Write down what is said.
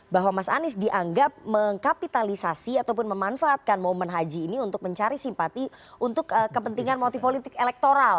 bahwa mas anies dianggap mengkapitalisasi ataupun memanfaatkan momen haji ini untuk mencari simpati untuk kepentingan motif politik elektoral